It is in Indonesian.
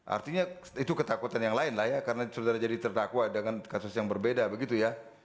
artinya itu ketakutan yang lain lah ya karena saudara jadi terdakwa dengan kasus yang berbeda begitu ya